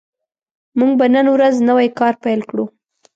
موږ به نن ورځ نوی کار پیل کړو